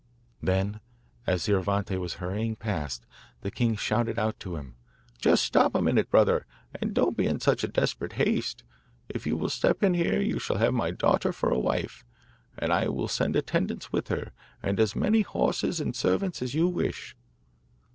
Then, as Scioravante was hurrying past, the king shouted out to him: 'Just stop a minute, brother, and don't be in such desperate haste. If you will step in here you shall have my daughter for a wife, and I will send attendants with her, and as many horses and servants as you wish.